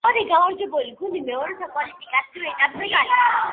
ორი გამარჯვებული გუნდი მეორე საკვალიფიკაციო ეტაპზე გადის.